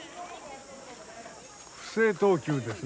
不正投球ですな。